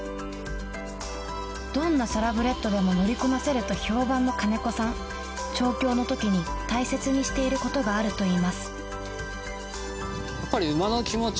どんなサラブレッドでも乗りこなせると評判の金子さん調教の時に大切にしていることがあるといいます